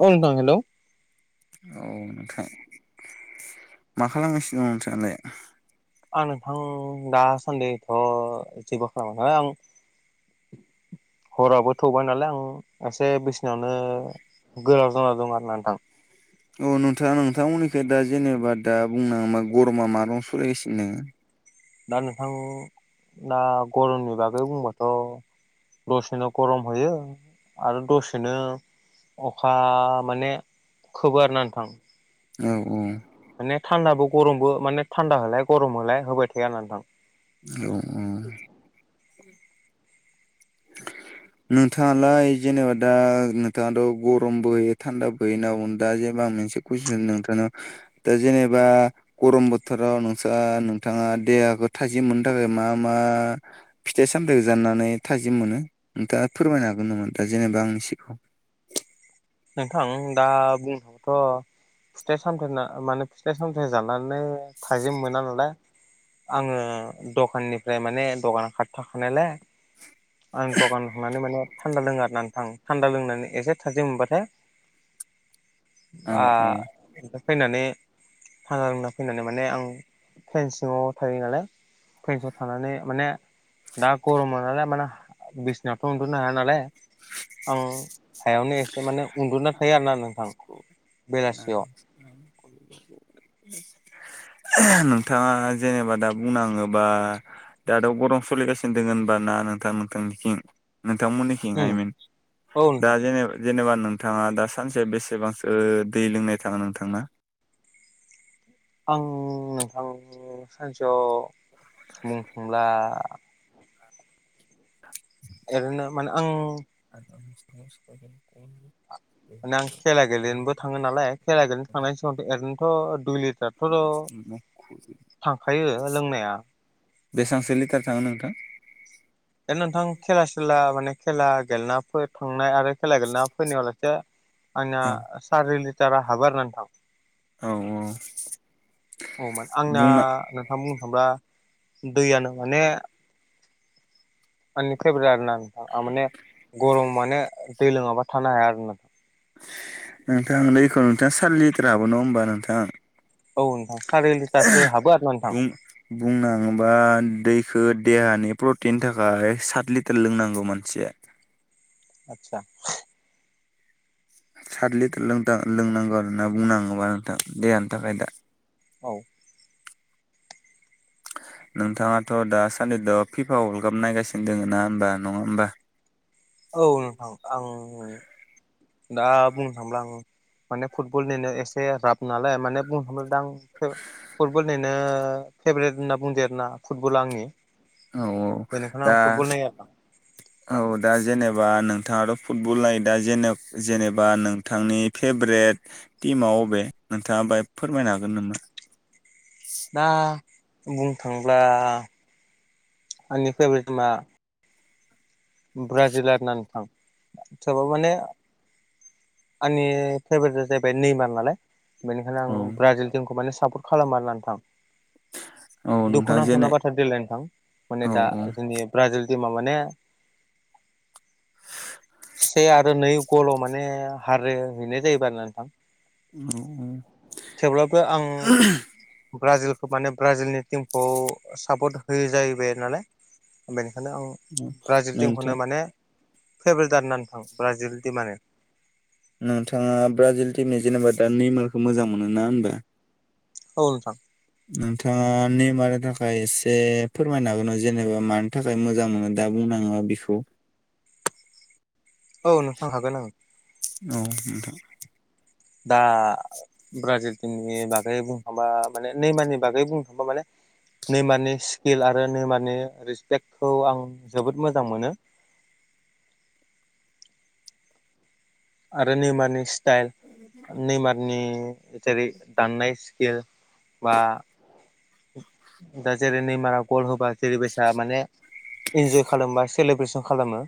औ नोंथां हेलौ औ नोंथां मा खालामगासिनो दं नोंथाङालाय? आं नोंथां दासान्दिथ' जेबो खालामाखै आं हराबो थौबाय नालाय आं एसे बिसिनायावनो गोलाव जाना दं आरोना नोंथां औ नोंथां नोंथांमोननिखि दा जेनेबा दा बुंनो हाङोबा गरमा मा रखम सलिगासिनो दोङो दा नोंथां दा गरमनि बागै बुंबाथ' दसेनो गरम होयो आरो दसेनो अखा माने खोबो आरोना नोंथां ओम ओम माने थान्दाबो गरमबो माने थान्दा होलाय गरम होलाय होबाय थाया आरोना नोंथां औ-औ नोंथाङालाय जेनेबा दा नोंथाङाथ' गरमबो होयो थान्दाबो होयो होनना बुंनो दा जेनबा आं मोनसे कुइसन नोंथांनाव दा जेनेबा गरम बोथोराव नोंसा नोंथाङा देहाखौ थाजिम मोननो थाखाय मा मा फिथाइ सामथाइखौ जानानै थाजिम मोनो नोंथाङा फोरमायनो हागोन नामा दा जेनेबा आंनि सिगाङाव नोंथां दा बुंबाथ' फिथाइ सामथाइ माने फिथाइ सामथाइ जानानै थाजिम मोना नालाय आङो दखाननिफ्राय माने दखान खाथियाव थाखानायलाय आं दखानाव थांनानै माने थान्दा लोङो आरोना नोंथां थान्दा लोंनानै एसे थाजिम मोनबा थाय बा ओमफ्राय फैनानै थाना लोंना फैनानै माने आं फेन सिङाव थायो नालाय फेन सिङाव थानानै माने दा गरम मोननालाय मोना बिसनायावथ' उन्दु'नो हाया नालाय आं हायावनो एसे उनदुना थायो आरोना नोंथां औ बेलासियाव [inaudible] नोंथाङा जेनेबा दा बुंनाङोबा दा गरम सोलिगासिनो दङ होनबा ना नोंथांनि नोंथांमोननि उम थिंहाय औ दा नोंथां जेनेबा जेनेबा नोंथाङा दा सानसे बेसेबांसो दै लोंनाय थाङो नोंथांना आं नोंथां सानसेयाव बुंनो थाङोब्ला ओरैनो माने आं [unintelligible] आ आं खेला गेलेनोबो थाङो नालाय खेला गेलेनो थांनायनि समगावथ' ओरैनोथ' दुइ लिटाराथ' [unintelligible] [unintelligible] थांखायो लोंनाया बेसेबांसो लिटार थाङो नोंथां दा नोंथां खेला सुला माने खेला गेलेनाफोर थांनाय आरो खेलायगोन ना फैनायावलासे आंना औ सारि लिटारा हाबो आरो ना नोंथां औ औ आंना बुंना आं बुंनो थाङोब्ला दैयानो माने मानि फेभ्रेट आरोना नोंथां माने गरम माने दै लोङाबा थानो हाया आरो नोंथां नोंथां दैखौ नोंथाङा सारि लिटार हाबो नङा होमबा नोंथां औ नोंथां सारि लिटारसो हाबो आरोना नोंथां बुंनाङोबा दैखो देहानि प्रटिननि थाखाय सात लिटार लोंनांगौ मानसिया आतसा सात लिटार लोंनांगौ होनना बुंनो थाङोबा नोंथां देहानि थाखाय दा औ नोंथाङाथ' दा सानदि थ द फिफा वर्ल्ड काप नायगासिनो दङ ना होनबा नङा होमबा औ नोंथां आं दा बुंनो थांला आं माने फुटबलनिनो एसे राभ नालाय माने बुंनो थांब्ला दा आं फुटबलनिनो फेभरेट होनना बुंदो आरोना फुटबल आंनि औ औ बेनिखायनो दा आं फुटबल नायो नोंथां औ दा जेनेबा नोंथाङाथ' फुटबल नायो दा जेनेबा नोंथांनि फेभरेट टिमाव अबे नोंथाङा बाय फोरमायनो हागोन नामा? दा बुंनो थाङोला आंनि फेभरेट टिमा ब्राजिल आरोना नोंथां थेवबाबो माने आंनि फेभ्रेटआ जाहैबाय नैमार नालाय बेनिखायनो आं औ ब्राजिल टिमखौ माने सापर्ट खालामो आरोना नोंथां औ नोंथाङा जेने दुखुनांथावना बाथ्रा देग्लाय नोंथां माने औ दा औ जोंनि ब्राजिलनि टिमा माने से आरो नै गल' माने हार हैनाय जायोबा आरो ना नोंथां औ थेवब्लाबो आं ब्राजिलखौ माने औ ब्राजिलनि टिमखौ सापर्ट होयो जाहैबाय नालाय बेनिखायनो आं ब्राजिल नोंथां थिमखौनो माने फेभ्रेट आरोना नोंथां ब्राजिल थिमानो नोंथाङा ब्राजिल टिमनि जेनेबा दा नेमारखौ मोजां मोनो ना होनबा [inaudible] औ नोंथां नोंथाङा नेमारनो थाखाय एसे फोरमायनो हागोन ना जेनेबा माने थाखाय मोजां मोनो दा बुंनाङा बेखौ औ नोंथां हागोन ओं औ नोंथां दा ब्राजिल थिमनि बागै बुंखांबा माने नैमारनि बागै बुंनो थाङोबा माने निमारनि सि किल आरो निमारनि रिसपेक्टखौ आं जोबोद मोजां मोनो आरो निमारनि स्टाइल निमारनि जेरै दाननाय सि खिल बा दा जेरै नेमारा गल होबा जेरै बायसा माने इन्जय खालामो बा सेलेब्रेसन खालामो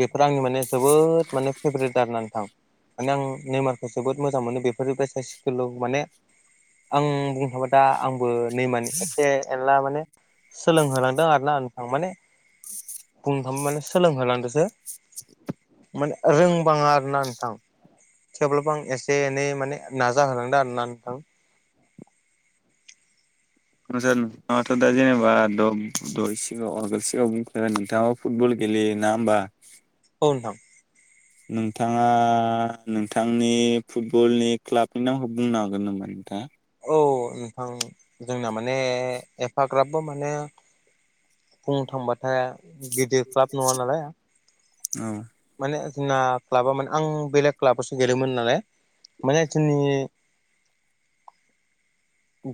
बेफोर आंनि माने जोबोद माने फेभरेट आरो ना नोंथां माने आं नेमारखौ जोबोद मोजां मोनो बेफोरनिफ्राय साइस [unintelligible] माने आं बुं [unintelligible] दा आंबो नेमारनि एसे एनला माने सोलोंहोलांदों आरो ना नोंथां माने बुंनो थाङोबा माने सोलोंहोलांदोसो माने रोंबाङा आरो ना नोंथां थेवब्लाबो आं एसे एनै माने नाजाहोलांदों आरो ना नोंथां [unintelligible] नोंथाङाथ' दा जेनेबा द दहय सिगाङाव आगोल सिगाङाव बुंखा [unintelligible] फुटबल गेलेयो ना होमबा औ नोंथां नोंथाङा नोंथांनि फुटबलनि क्लाबनि नामखौ बुंनो हागोन नामा नोंथां औ नोंथां जोंना माने एफाग्राबबो माने बुंनो थांबथाय गिदिर क्लाब नङा नालाय [unintelligible] माने जोंना क्लाबा माने आं बेलेग क्लाबावसो गेलेयोमोन नालाय माने जोंनि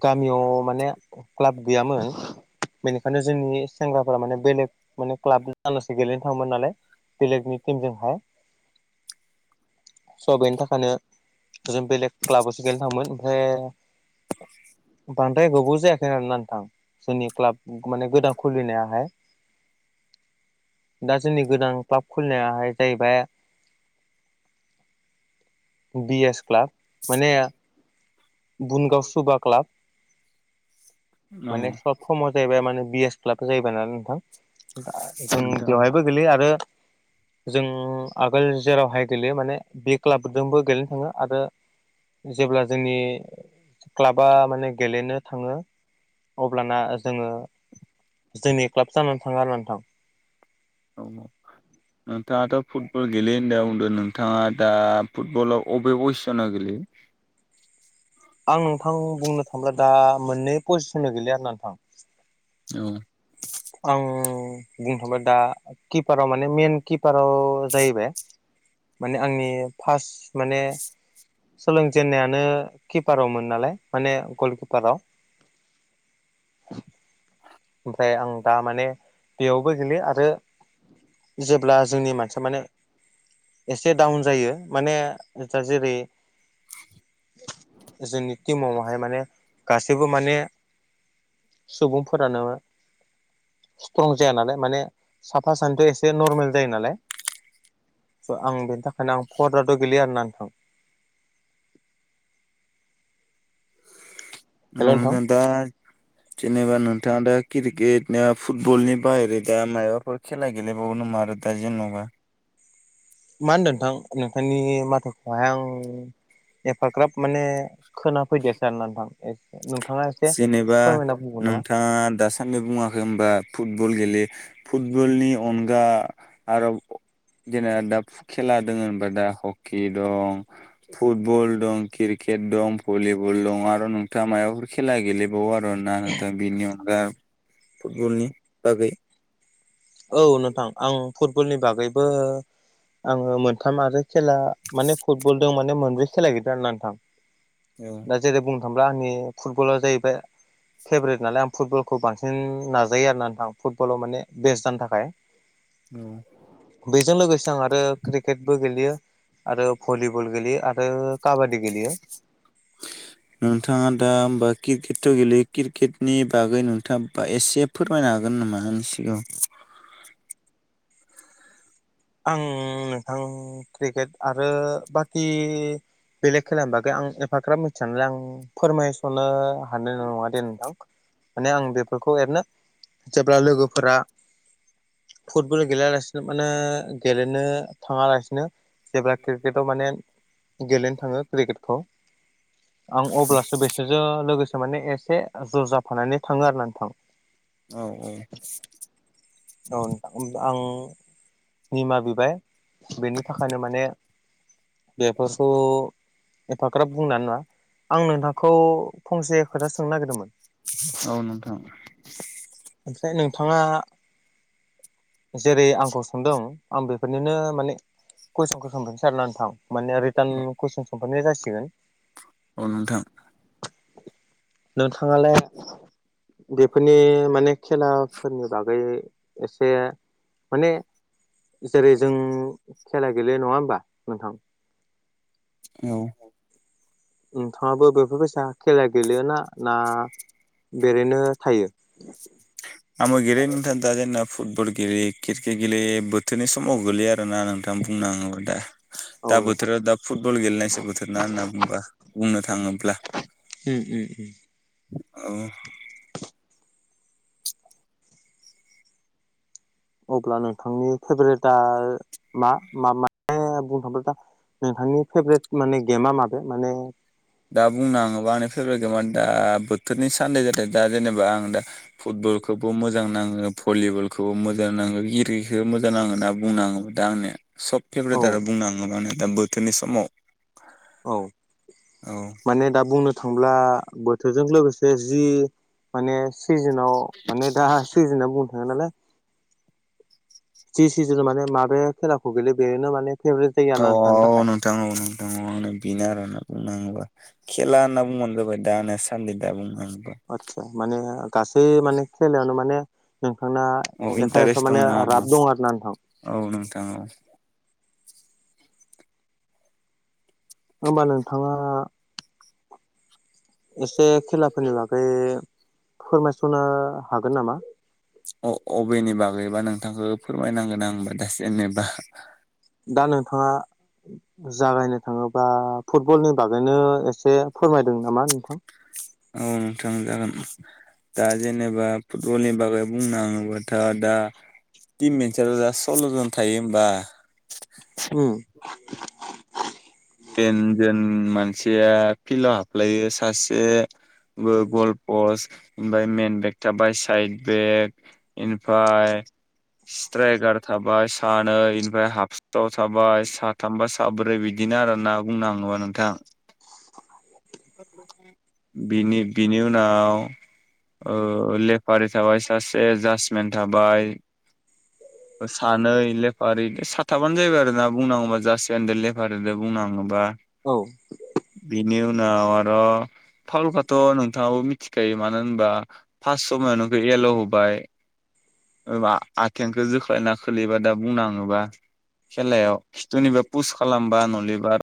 गामियाव माने क्लाब गैयामोन बेनिखायनो जोंनि सेंग्राफोरा माने बेलेग माने क्लाब दो जानासो गेलेनो थाङोमोन नालाय बेलेगनि टिमजोंहाय स' बेनि थाखायनो जों बेलेग क्लाबावसो गेलेनो थाङोमोन ओमफ्राय [inaudible] बांद्राय गोबाव जायाखै आरोना नोंथां जोंनि क्लाब माने गोदान खुलिनायाहाय दा जोंनि गोदान क्लाब खुलिनायाहाय जाहैबाय बि एस क्लाब माने बुनगावस [unintelligible] क्लाब माने सर्द फ्रमाव जाहैबाय माने बिएस क्लाब जाहैबाय ना नोंथां दा जों नोंथाङा बेवहायबो गोलैयो आरो जों आगोल जेरावहाय गेलेयो माने बे क्लाबजोंबो गेलेनो थाङो आरो जेब्ला जोंनि क्लाबा माने गेलेनो थाङो अब्लाना जोङो जोंनि क्लाब जानानै थाङा आरो नोंथां औ नोंथाङाथ' फुटबल गेलेयो होनना बुंदो नोंथाङा दा फुटबलाव अबे [unintelligible] जाना गेलेयो आं नोंथां बुंनो थांब्ला दा मोननै पजिसन गेलेयो आरो ना नोंथां औ आं बुंथ'बा दा किपाराव माने मेइन किपाराव जाहैबाय माने आंनि फास माने सोलोंजेनन्नायानो किपारावमोन नालाय माने गलकिपाराव ओमफ्राय आं दा माने बेयावबो गेलेयो आरो जेब्ला जोंनि मानसिया माने एसे डाउन जायो माने दा जेरै जोंनि टिमाव हाय माने गासैबो माने सुबुंफोरानो स्ट्रं जाया नालाय माने साफा सानैथ' एसे नर्मेल जायो नालाय स' आं बेनि थाखायनो आं [unintelligible] गेलेयो आरोना नोंथां औ नोंथां दा [inaudible] जेनेबा नोंथाङा दा क्रिकेटनो फुटबलनि बाहेरै दा मायाबाफोर खेला गेलेबावो नामा आरो दा जेनबा मा होनदों नोंथां नोंथांनि माथोखौहाय आं हेफाग्राब माने खोनाफैदासै आरोना नोंथां एसे नोंथाङा एसे जेनेबा फोरमायना बुंगोन नामा नोंथाङा दासा दि बुङाखै होनबा फुटबल गेलेयो फुटबलनि अनगा आरो जेना दा खेला दङ होनबा दा हकि दं फुटबल दं क्रिकेट दं भलिबल दं आरो नोंथाङा माबाफोर खेला गेलेबावो आरोना नोंथां बिनि अनगा फुटबलनि बागै औ नोंथां आं फुटबलनि बागैबो आङो मोनथाम आरो खेला माने फुटबलदो माने मोनब्रै खेला गेलेदों आरोना नोंथां ओं दा जेरै बुंनो थांब्ला आंनि फुटबल जाहैबाय फेभरेट नालाय आं फुटबल खौ बांसिन नाजायो आरोना नोंथां फुटबलाव माने बेस्ट जानो थाखाय बेजों लोगोसे आं आरो क्रिकेटबो गेलेयो आरो भलिबल गेलेयो आरो काबादि गेलेयो [inaudible] नोंथाङा दा होमबा क्रिकेटथ गेलेयो क्रिकेटनि बागै नोंथाङा एसे फोरमायनो हागोन नामा आंनि सिगाङाव आं नोंथां क्रिकेट आरो बाखि बेलेग खलानि बागै आं एफाग्राब मिथियानालाय आं फोरमायसनो हानाय नङा दे नोंथां माने आं बेफोरखौ एरैनो जेब्ला लोगोफोरा फुटबल गेलेयालासिनो माने गेलेनो थाङालासिनो जेब्ला क्रिकेटाव माने गेलेनो थाङो क्रिकेटखौ आं अब्लासो बिसोरजों लोगोसे माने एसे ज'ज जााफानानै थाङो आरो नोंथां औ औ औ नोंथां ओमबा आं निमाहा बिबाय बेनि थाखायनो माने बेफोरखौ एफाग्राब बुंनो हानाय नङा आं नोंथांखौ फंसे खोथासो सोंनो नागिरदोंमोन औ नोंथां ओमफ्राय नोंथाङा जेरै आंखौ सोंदों आं बेफोरनिनो माने कुइसनखौ सोंफिनोसै आरोना नोंथां माने रिटार्न कुइसन सोंफिननाया जासिगोन औ नोंथां नोंथाङालाय बेफोरनि माने बे खेलाफोरनि बागै एसे माने जेरै जों खेला गेले नङा होमबा नोंथां औ नोंथाङाबो बेफोरबायैसा खेला गेलेयोना ना एरैनो थायो? आंबो गेलेयो नोंथां दा जोंना फुटबल गेलेयो क्रिकेट गेलेयो बोथोरनि समाव गोगलैयो आरोना नोंथां। [unintelligible] औ दा नोंथां बोथोरा दा फुटबल गेलेनायसो बोथोर ना होनना बुंबा बुंनो थाङोब्ला। उम उम उम औ [inaudible] अब्ला नोंथांनि फेभरेटआ मा म म [unintelligible] दा बुंनो थाङोबाथ नोंथांनि फेभारेट माने गेमा माबे माने दा बुंनो आाङोबा आंनि फेभरेट गेमानो दा बोथोरनि सान्दै जहाथे दा जेनेबा आं दा फुटबलखौबो मोजां नाङो भलिबलखौबो मोजां नाङो इरिखौबो मोजां नाङो होनना बुंनाङोबा। दा आंनिया सब औ फेभरेट आरो बुंनो थाङोबा आं दा बोथोरनि समाव। औ औ माने दा बुंनो थांब्ला बोथोरजों लोगोसे जि माने सिजोनाव माने दा सिजोना बुंनो थाङो नालाय। जि सिजोन माने माबे खेलाखौ गेले बेनो माने फेभरेट जायो औ आरोना नोंथांनि औ थाखाय नोंथां औ नोंथां आंनो बेनो आरोना बुंङोबा। खेला होनना बुंबानो जाबाय दा ने सान्दि दा बुं आचसा माने गासै माने खेलायावनो माने नोंथां औ एफा इन्टारेस्ट एफा माने दंना आरो राब दं आर ना नोंथां। औ नोंथां औ होमबा नोंथाङा एसे खेलाफोरनि बागै फोरमायस'नो हागोन नामा? अ अबेनि बागैबा नोंथांखौ फोरमायनांगोन आं होनोमबा दा जेनेबा दा नोंथाङा जागायनो थाङोबा फुटबलनि बागैनो एसे फोरमायदों नामा नोंथां? औ नोंथां जागोन। दा जेनेबा फुटबलनि बागै बुंनो थाङोबथ' दा टिम मोनसेयाल' जास सल्लजन थायो होमबा ओम टेनजेन मानसिया फिल्डआव हाबलायो सासे गलपस ओमफ्राय मेन बेग थाबाय साइद बेग ओनिफ्राय स्ट्रायगार थाबाय सानै निफ्राय हाब सिथाव थाबाय साथामा साब्रै बिदिनो आरो। होनना बुंनो थाङोबा नोंथां। बिनि बिनि उनाव ओ लेफारि थाबाय सासे जासमेन थाबाय। सानै लेफार साथामानो जाहैबाय आरो ना बुंनांगौबा जाससे दो लेफारिदो। बुंनांगौब्ला औ बेनि उनाव आरो' फावलखौथ' नोंथाङाबो मिथिखायो मानो होनबा फास समायावनोखौ एल' होबाय। बा आथेंखौ जोख्लायना खोलैबा दा बुंनाङोबा। खेलायाव जनिबा पुस खालामबा नलिबार